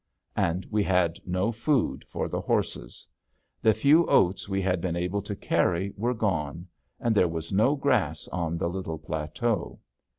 And we had no food for the horses. The few oats we had been able to carry were gone, and there was no grass on the little plateau.